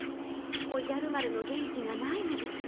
おじゃる丸の元気がないのです。